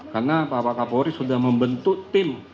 karena f kapolri sudah membentuk tim